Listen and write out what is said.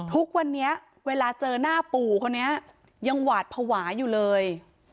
ทุกวันนี้เวลาเจอหน้าปู่คนนี้ยังหวาดภาวะอยู่เลย